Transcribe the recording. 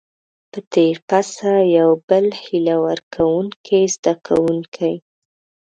په تير پسې يو بل هيله ورکوونکۍ زده کوونکي